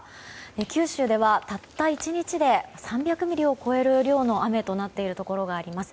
九州では、たった１日で３００ミリを超える量の雨となっているところがあります。